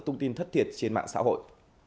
thông tin thất thiệt trên mạng xã hội